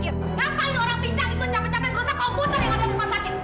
ngapain orang pinjang itu capek capek ngerusak komputer yang ada di rumah sakit